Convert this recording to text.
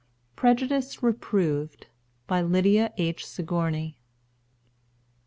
PREJUDICE REPROVED. BY LYDIA H. SIGOURNEY.